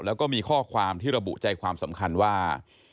แล้วก็มีข้อความที่ระบุใจความสำคัญว่า